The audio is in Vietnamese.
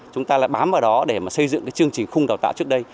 chúng ta lại bám vào đó để xây dựng chương trình khung tạo tạo trước đây